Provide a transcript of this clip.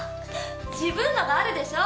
自分のがあるでしょ